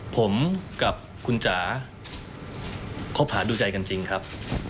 ผมกับคุณจ๋าคบหาดูใจกันจริงครับ